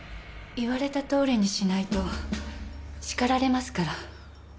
言われたとおりにしないと叱られますから。